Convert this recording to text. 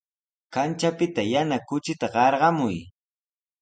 Kanchapita yana kuchita qarqamuy.